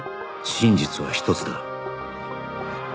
真実は一つだ